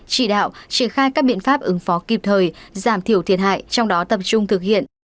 chỉ đạo triển khai các biện pháp ứng phó kịp thời giảm thiểu thiệt hại trong đó tập trung thực hiện